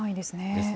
ですね。